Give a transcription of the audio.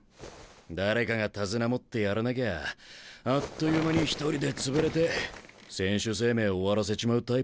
誰かが手綱持ってやらなきゃあっという間に一人で潰れて選手生命終わらせちまうタイプだ。